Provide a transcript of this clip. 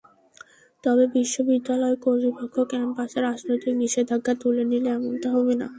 তবে বিশ্ববিদ্যালয় কর্তৃপক্ষ ক্যাম্পাসে রাজনৈতিক নিষেধাজ্ঞা তুলে নিলে এমনটা হবে না।